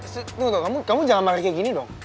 tunggu tunggu kamu jangan marah kayak gini dong